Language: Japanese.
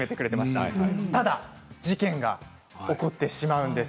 ただ事件が起こってしまうんです。